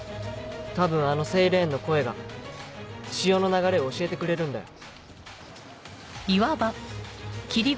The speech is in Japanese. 多分あのセイレーンの声が潮の流れを教えてくれるんだよ。